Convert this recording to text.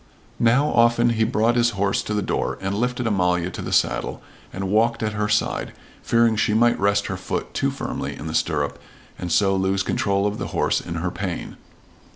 Now often he brought his horse to the door, and lifted Amalia to the saddle and walked at her side, fearing she might rest her foot too firmly in the stirrup and so lose control of the horse in her pain.